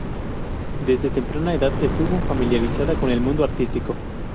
Desde temprana edad estuvo familiarizada con el mundo artístico.